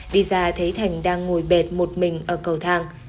đi ra thấy thành đang ngồi bệt một mình ở cầu thang